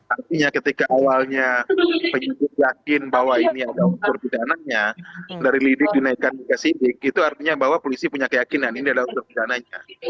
artinya ketika awalnya penyidik yakin bahwa ini ada unsur pidananya dari lidik dinaikkan ke sidik itu artinya bahwa polisi punya keyakinan ini adalah unsur pidananya